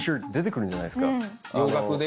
洋楽で。